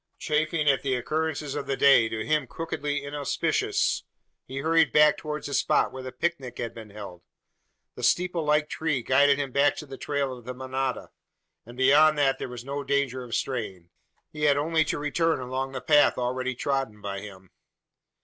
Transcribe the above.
Chafing at the occurrences of the day to him crookedly inauspicious he hurried back towards the spot where the pic nic had been held. The steeple like tree guided him back to the trail of the manada; and beyond that there was no danger of straying. He had only to return along the path already trodden by him.